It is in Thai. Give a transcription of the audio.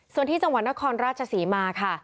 ส่วนที่จังหวัดนครราชศรีมาค่ะ